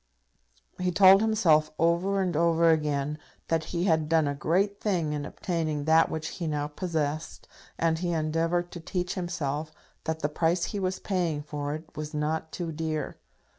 He told himself over and over again that he had done a great thing in obtaining that which he now possessed, and he endeavoured to teach himself that the price he was paying for it was not too dear.